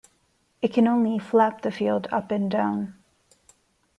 It can only 'flap' the field up and down.